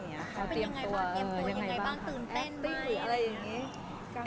เขาเป็นยังไงบ้างเตรียมตัวยังไงบ้างตื่นเต้นบ้างหรืออะไรอย่างนี้